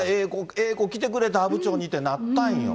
ええ子来てくれた、阿武町にってなったんよ。